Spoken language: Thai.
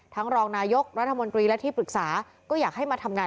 รองนายกรัฐมนตรีและที่ปรึกษาก็อยากให้มาทำงาน